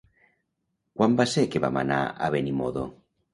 Quan va ser que vam anar a Benimodo?